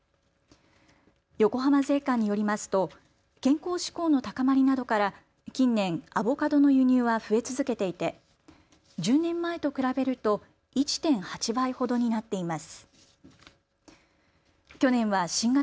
横浜税関によりますと健康志向の高まりなどから近年、アボカドの輸入は増え続けていて１０年前と比べると１．８倍ほどになっています。